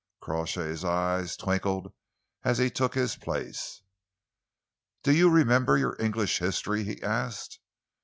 Crawshay's eyes twinkled as he took his place. "Do you remember your English history?" he asked.